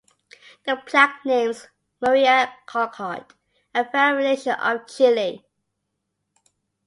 The plaque names Maria Callcott "a friend of the nation of Chile".